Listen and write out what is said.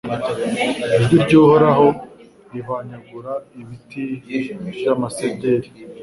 Ijwi ry’Uhoraho rihwanyagura ibiti by’amasederi